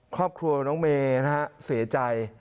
ครอบครัวน้องเมย์นะฮะเสียใจ